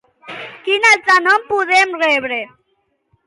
Quin altre nom poden rebre?